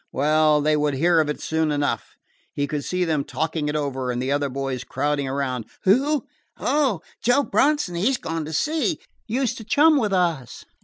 Well, they would hear of it soon enough. He could see them talking it over, and the other boys crowding around. "Who?" "Oh, Joe Bronson; he 's gone to sea. Used to chum with us."